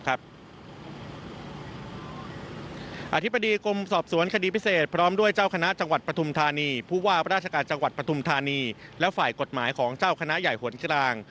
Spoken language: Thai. กรุ่มทานีและฝ่ายกฎหมายของเจ้าคณะใหญ่หวนกลาง